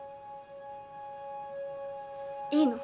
いいの。